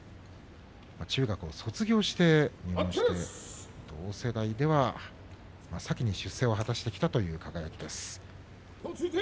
中学を卒業して入門してこの世代では先に出世を果たしてきたという輝です。